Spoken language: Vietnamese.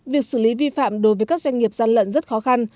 việc xử lý vi phạm đối với các doanh nghiệp gian lận rất khó khăn